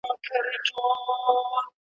ستا تر پلو ستا تر اوربل او ستا تر څڼو لاندي ,